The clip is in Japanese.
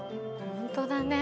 本当だね。